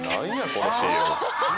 このＣＭ。